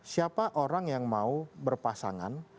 siapa orang yang mau berpasangan